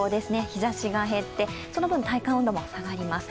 日ざしが減って、その分、体感温度も下がります。